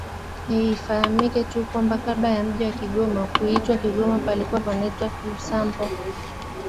Ifahamike tu kwamba kabla ya mji wa Kigoma kuitwa Kigoma palikuwa panaitwa Lusambo